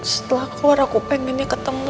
setelah keluar aku pengennya ketemu